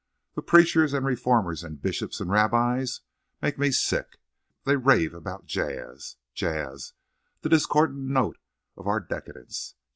"The preachers and reformers and bishops and rabbis make me sick. They rave about jazz. Jazz—the discordant note of our decadence!